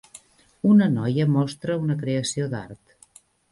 Una noia mostra una creació d'art.